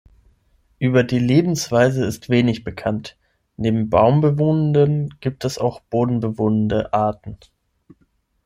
Über die Lebensweise ist wenig bekannt, neben baumbewohnenden gibt es auch bodenbewohnende Arten.